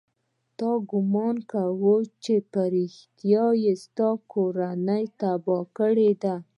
تا ګومان کړى و چې په رښتيا يې ستا کورنۍ تباه کړې ده.